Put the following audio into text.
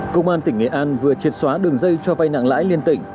công an tỉnh nghệ an vừa triệt xóa đường dây cho vay nặng lãi liên tỉnh